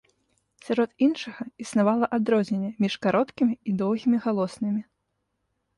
Сярод іншага, існавала адрозненне між кароткімі і доўгімі галоснымі.